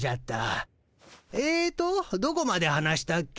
えとどこまで話したっけ？